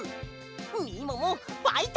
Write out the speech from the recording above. みももファイト！